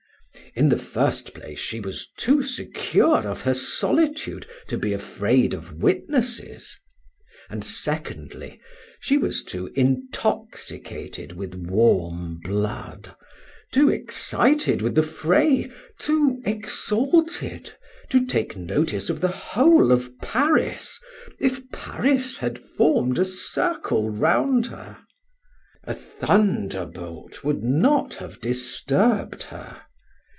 In the first place, she was too secure of her solitude to be afraid of witnesses; and, secondly, she was too intoxicated with warm blood, too excited with the fray, too exalted, to take notice of the whole of Paris, if Paris had formed a circle round her. A thunderbolt would not have disturbed her.